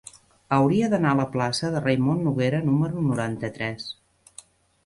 Hauria d'anar a la plaça de Raimon Noguera número noranta-tres.